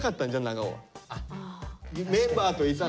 長尾。